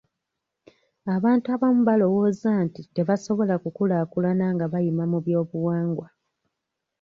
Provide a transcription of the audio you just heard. Abantu abamu balowooza nti tebasobola kukulaakulana nga bayima mu by'obuwangwa.